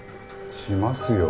しますよ